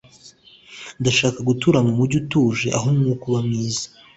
ndashaka gutura mumujyi utuje aho umwuka uba mwiza